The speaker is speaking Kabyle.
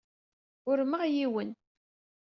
Urmeɣ yiwen.